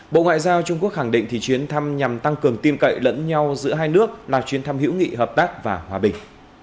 bộ ngoại giao trung quốc khẳng định chuyến thăm nhằm tăng cường tin cậy lẫn nhau giữa hai nước là chuyến thăm hữu nghị hợp tác và hòa bình